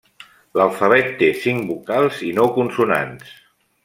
L'alfabet té cinc vocals i nou consonants.